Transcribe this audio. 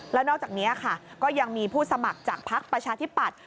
แล้วนอกจากนี้ค่ะก็ยังมีผู้สมัครจากพักประชาธิปัตย